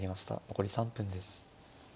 残り３分です。